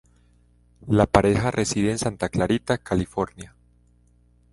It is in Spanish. La pareja reside en Santa Clarita, California.